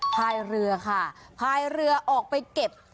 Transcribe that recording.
พายเรือค่ะพายเรือออกไปเก็บ